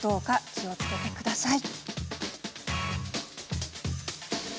気をつけてください。